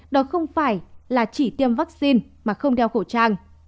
đó không phải là chỉ tiêm vaccine mà không đeo khẩu trang